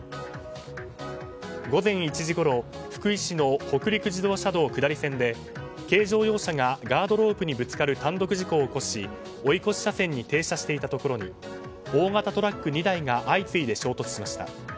午前１時ごろ、福井市の北陸自動車道下り線で軽乗用車がガードロープにぶつかる単独事故を起こし追い越し車線に停車していたところに大型トラック２台が相次いで衝突しました。